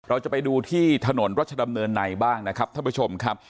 เราจะไปดูที่ถนนรัชดำเนินในบ้างนะครับท่านผู้ชมครับ